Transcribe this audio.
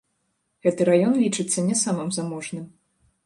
Гэты раён лічыцца не самым заможным.